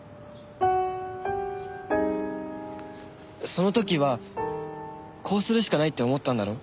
その時はこうするしかないって思ったんだろ？